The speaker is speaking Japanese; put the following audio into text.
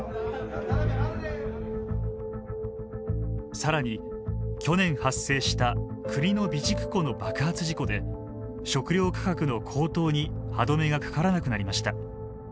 更に去年発生した国の備蓄庫の爆発事故で食料価格の高騰に歯止めがかからなくなりました。